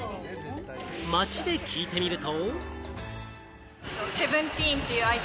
街で聞いてみると。